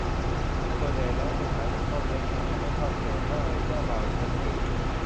ส่วนใหญ่แล้วจะใช้เป็นต้นเล็กนำมาให้เถ้าแก่ฝ่ายเจ้าบ่าวเป็นคนถือ